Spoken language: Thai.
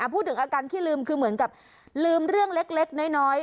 พูดถึงอาการขี้ลืมคือเหมือนกับลืมเรื่องเล็กน้อย